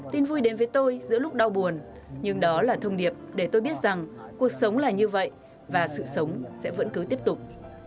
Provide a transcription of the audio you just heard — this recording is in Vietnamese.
tin vui đến với tôi giữa lúc đau buồn nhưng đó là thông điệp để tôi biết rằng cuộc sống là như vậy và sự sống sẽ vẫn cứ tiếp tục